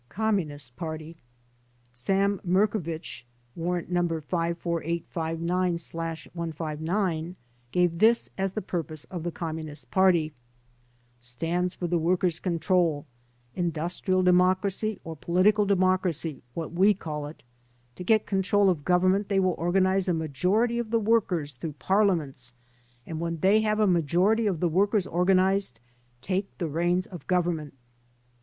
2. Communist Party Sam Merkowich (Warrant No. 54859/159) gave this as the purpose of the Communist Party : "Stands fgr the workers* control; industrial democracy pr political democracy, what we call it. To get control of Gov eitiment they will organize a majority of the workers through parliaments and when they have a majority of the workers organized, take the reins of Government."